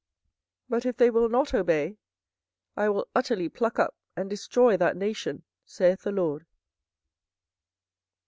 24:012:017 But if they will not obey, I will utterly pluck up and destroy that nation, saith the LORD.